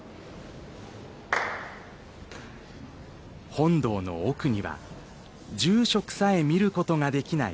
本堂の奥には住職さえ見ることができない